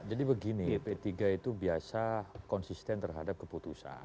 jadi begini p tiga itu biasa konsisten terhadap keputusan